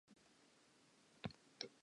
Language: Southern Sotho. Sena ke selekane seo re se hlokang.